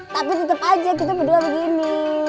tapi tetap aja kita berdua begini